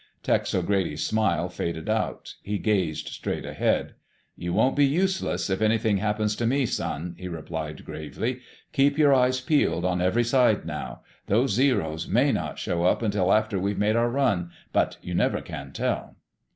Tex O'Grady's smile faded out. He gazed straight ahead. "You won't be useless if anything happens to me, son," he replied, gravely. "Keep your eyes peeled on every side now.... Those Zeros may not show up until after we've made our run, but you never can tell."